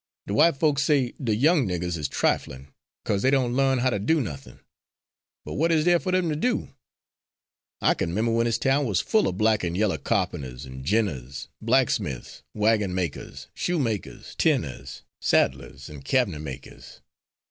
De w'ite folks says de young niggers is triflin' 'cause dey don' larn how to do nothin'. But what is dere fer 'em to do? I kin 'member when dis town was full er black an' yaller carpenters an' 'j'iners, blacksmiths, wagon makers, shoemakers, tinners, saddlers an' cab'net makers.